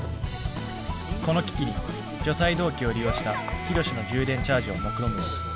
この危機に除細動器を利用したヒロシの充電チャージをもくろむも。